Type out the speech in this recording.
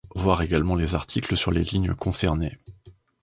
Voir également les articles sur les lignes concernées.